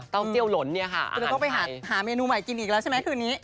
ก็ไปหาเมนูใหม่กินอีกแล้วใช่ไหมคืนนี้